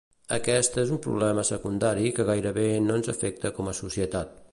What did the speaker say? Aquest és un problema secundari que gairebé no ens afecta com a societat.